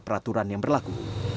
peraturan yang berlaku